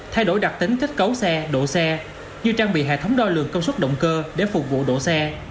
thay đổi đặc tính kết cấu xe độ xe như trang bị hệ thống đo lường công suất động cơ để phục vụ đổ xe